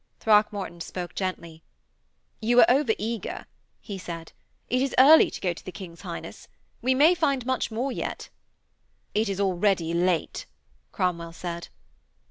Throckmorton spoke gently. 'You are over eager,' he said. 'It is early to go to the King's Highness. We may find much more yet.' 'It is already late,' Cromwell said.